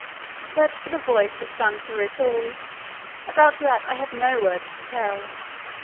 But for the voice that sang through it all, about that I have no words to tell.